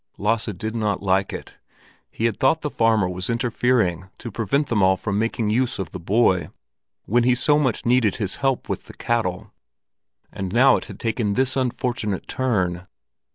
Lasse did not like it. He had thought the farmer was interfering to prevent them all from making use of the boy, when he so much needed his help with the cattle; and now it had taken this unfortunate turn!